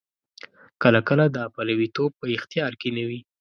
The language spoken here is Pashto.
کله کله دا پلویتوب په اختیار کې نه وي.